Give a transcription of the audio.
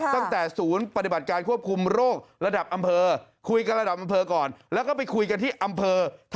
ตั้งแต่ศูนย์ปฏิบัติการควบคุมโรคระดับอำเภอ